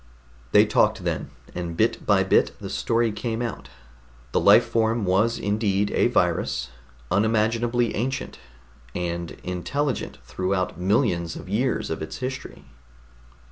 They talked then, and bit by bit the story came out. The life form was indeed a virus, unimaginably ancient, and intelligent throughout millions of years of its history.